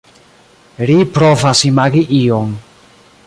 Ri provas imagi ion.